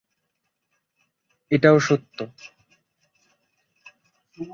এটাও সত্য।